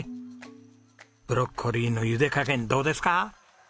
ブロッコリーのゆで加減どうですか？